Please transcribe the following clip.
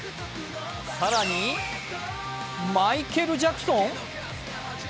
更にマイケル・ジャクソン？